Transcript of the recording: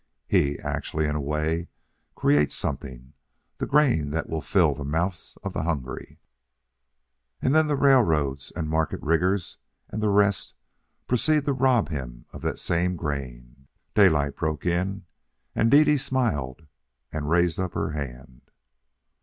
He actually, in a way, creates something, the grain that will fill the mouths of the hungry." "And then the railroads and market riggers and the rest proceed to rob him of that same grain," Daylight broke in Dede smiled and held up her hand.